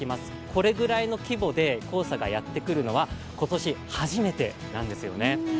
これくらいの規模で黄砂がやってくるのは今年初めてなんですよね